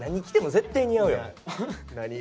絶対似合う！